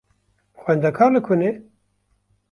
Xwendekar li ku ne?